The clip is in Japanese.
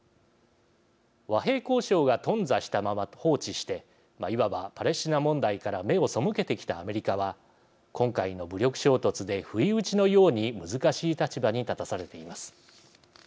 和平交渉が頓挫したまま放置していわばパレスチナ問題から目を背けてきたアメリカは今回の武力衝突で不意打ちのように難しい立場に立たされています。